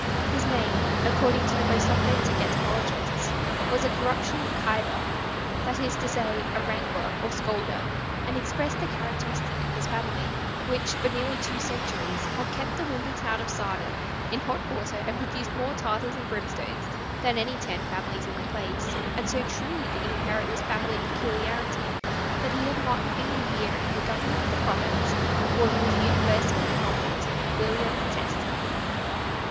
His name, according to the most authentic etymologists, was a corruption of Kyver that is to say, a wrangler or scolder, and expressed the characteristic of his family, which, for nearly two centuries, have kept the windy town of Saardam in hot water and produced more tartars and brimstones than any ten families in the place; and so truly did he inherit this family peculiarity, that he had not been a year in the government of the province before he was universally denominated William the Testy.